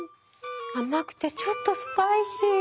甘くてちょっとスパイシー。